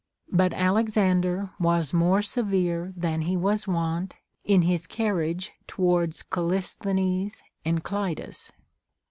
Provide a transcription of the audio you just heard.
But Alexander was more severe than he was wont in his carriage towards Calisthenes and Clitus.